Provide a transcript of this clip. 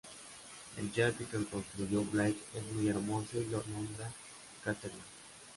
El yate que construye Blake es muy hermoso y lo nombra Catherine.